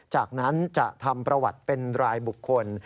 จากนั้นจะทำประวัติเป็นรายบุคคล